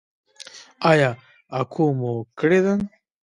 ایا اکو مو کړې ده؟